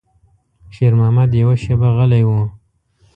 شېرمحمد يوه شېبه غلی و.